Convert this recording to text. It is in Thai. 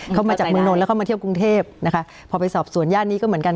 มาจากเมืองนนทแล้วเข้ามาเที่ยวกรุงเทพนะคะพอไปสอบสวนย่านนี้ก็เหมือนกัน